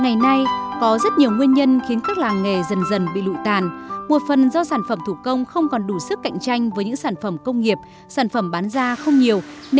các bạn hãy đăng ký kênh để ủng hộ kênh của chúng mình nhé